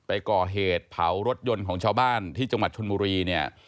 ไปก่อเหตุเผารถยนต์ของชาวบ้านที่จังหวัดชนบุรีเนี่ย